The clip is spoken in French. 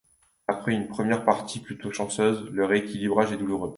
Après une première partie plutôt chanceuse, le rééquilibrage est douloureux.